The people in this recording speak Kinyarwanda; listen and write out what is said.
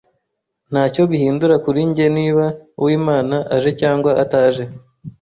Ntacyo bihindura kuri njye niba Uwimana aje cyangwa ataje.